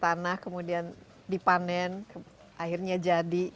tanah kemudian dipanen akhirnya jadi